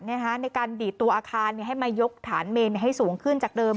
ในการดีดตัวอาคารให้มายกฐานเมนให้สูงขึ้นจากเดิม